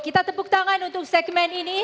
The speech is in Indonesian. kita tepuk tangan untuk segmen ini